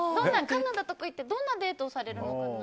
カナダとか行ってどんなデートをされるんですか？